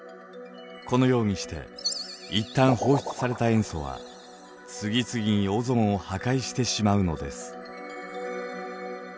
このようにして一旦放出された塩素は次々にオゾンを破壊してしまうのです。